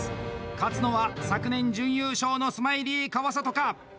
勝つのは、昨年準優勝のスマイリー川里か？